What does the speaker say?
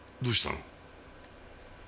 どうしたの？